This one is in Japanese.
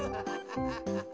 ハハハハ。